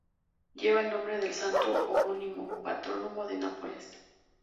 Lleva el nombre del santo homónimo, patrono de Nápoles.